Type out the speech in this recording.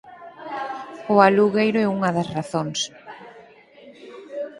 O alugueiro é unha das razóns...